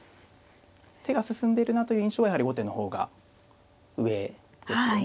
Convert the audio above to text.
手が進んでるなという印象はやはり後手の方が上ですよね。